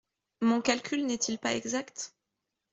Mon calcul n’est-il pas exact ?